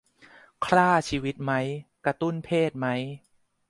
คร่าชีวิตไหม กระตุ้นเพศไหม